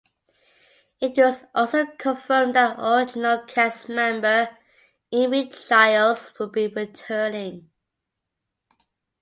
It was also confirmed that original cast member Amy Childs would be returning.